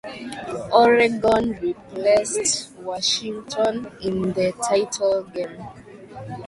Oregon replaced Washington in the title game